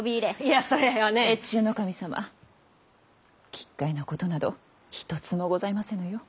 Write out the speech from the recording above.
奇怪なことなど一つもございませぬよ。